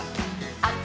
「あっち！